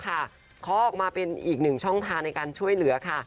ขอออกมาเป็นอีกหนึ่งช่องทางในการช่วยเหลือค่ะ